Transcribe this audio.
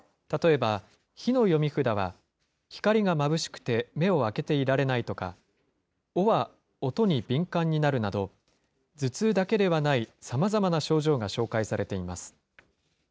例えば、ひの読み札は、光がまぶしくて目を開けていられないとか、おは音に敏感になるなど、頭痛だけではない、さまざまな症状が紹介されています。